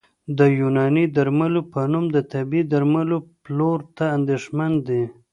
د یوناني درملو په نوم د طبي درملو پلور ته اندېښمن دي